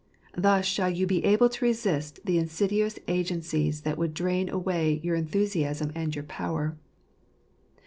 Thus shall you be able to resist the insidious agencies that would drain away your enthusiasm and your power.